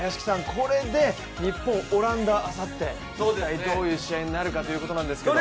これで、日本、オランダ、あさってどういう試合になるかというところなんですけど。